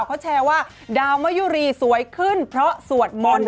เขาแชร์ว่าดาวมะยุรีสวยขึ้นเพราะสวดมนต์